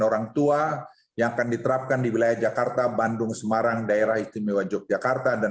orang tua yang akan diterapkan di wilayah jakarta bandung semarang daerah istimewa yogyakarta dan